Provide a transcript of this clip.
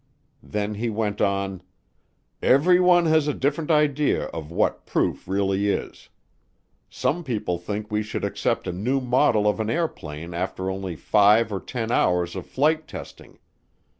Then he went on, "Everyone has a different idea of what proof really is. Some people think we should accept a new model of an airplane after only five or ten hours of flight testing.